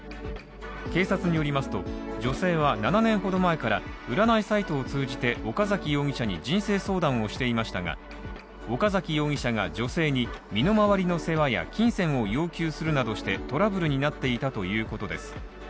警察によりますと、女性は７年ほど前から占いサイトを通じて岡崎容疑者に人生相談をしていましたが、岡崎容疑者が女性に身の回りの世話や金銭を要求するなどしてトラブルになっていたということです。